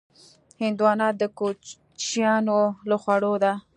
هندوانه د کوچیانو له خوړو ده.